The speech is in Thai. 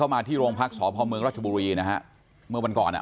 เมื่อวานก่อนนะ